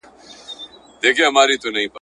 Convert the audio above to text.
چي هر څه مي وي آرزو ناز مي چلیږي ,